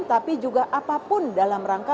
tapi juga apapun dalam rangka